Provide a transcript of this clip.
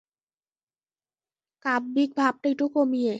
কাব্যিক ভাবটা একটু কমিয়ে।